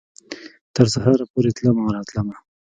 تر سهاره پورې تلمه او راتلمه